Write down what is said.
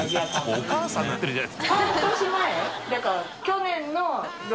もうお母さんになってるじゃないですか。